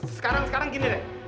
sekarang sekarang gini deh